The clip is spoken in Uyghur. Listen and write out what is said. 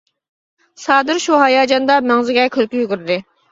سادىر شۇ ھاياجاندا مەڭزىگە كۈلكە يۈگۈردى.